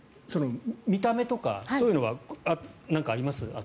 見た目とかそういうのは何かあります？